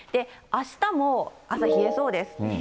あしたも朝冷えそうです。